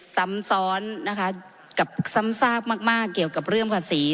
สำซ้อสนะคะสร้างมากเกี่ยวกับเรื่องขวาศรี